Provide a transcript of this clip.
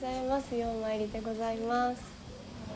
ようお参りでございます。